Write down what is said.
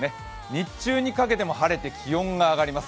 日中にかけても晴れて気温が上がります。